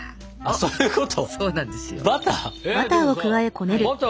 そうそういうこと。